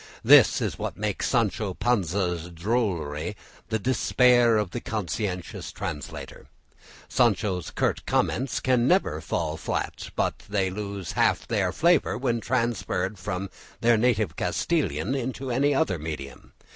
This is what makes Sancho Panza's drollery the despair of the conscientious translator. Sancho's curt comments can never fall flat, but they lose half their flavour when transferred from their native Castilian into any other medium.